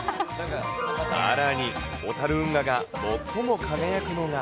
さらに小樽運河が最も輝くのが。